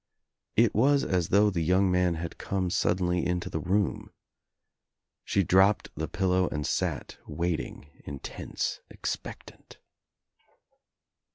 It was as though the young man had come suddenly into the room. She dropped the pillow and sat waiting, Intense, expectant.